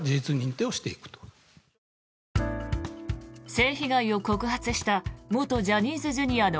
性被害を告発した元ジャニーズＪｒ．の